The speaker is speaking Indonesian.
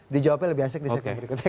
dijawabnya lebih asik di segmen berikutnya